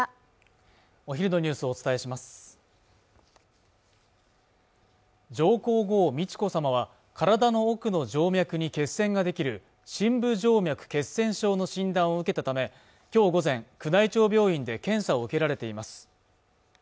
お昼のニュースをお伝えします上皇后・美智子さまは体の奥の静脈に血栓ができる深部静脈血栓症の診断を受けたためきょう午前宮内庁病院で検査を受けられています